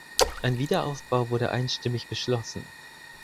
Ein Wiederaufbau wurde einstimmig beschlossen.